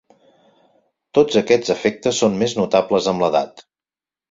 Tots aquests efectes són més notables amb l'edat.